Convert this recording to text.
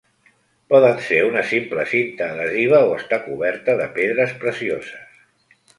Poden ser una simple cinta adhesiva o estar coberta de pedres precioses.